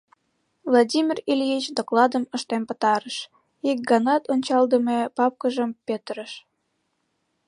Владимир Ильич докладым ыштен пытарыш, ик ганат ончалдыме папкыжым петырыш.